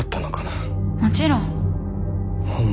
もちろん。